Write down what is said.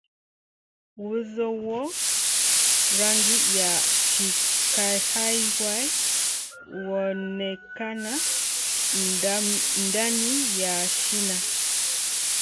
uozo wa rangi ya kikahawia huonekana ndani ya shina.